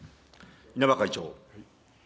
稲葉会長。